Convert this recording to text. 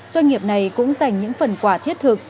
doanh nghiệp này cũng dành những phần quả thiết thực